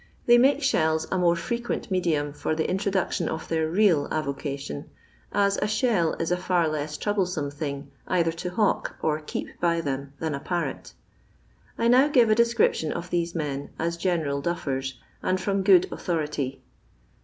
They make thelle a more frequent medium for the in tiodoetion of their real avocation, ae a shell it ft hx leia tronbleiome thing either to hawk or keep bj them than a parrot I DOW grre a deacription of these men, as general daffsrsy and from good authority.